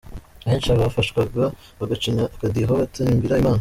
Benshi bafashwaga bagacinya akadiho batambira Imana.